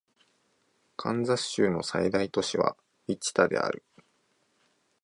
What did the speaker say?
カンザス州の最大都市はウィチタである